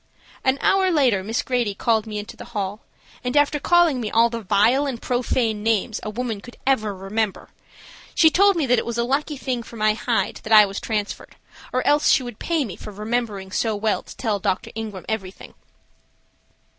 An hour later Miss Grady called me into the hall, and, after calling me all the vile and profane names a woman could ever remember, she told me that it was a lucky thing for my "hide" that I was transferred, or else she would pay me for remembering so well to tell Dr. Ingram everything.